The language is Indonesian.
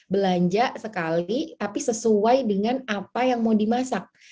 belanja sekali tapi sesuai dengan apa yang mau dimasak